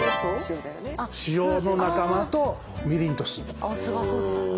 塩の仲間とみりんと酢。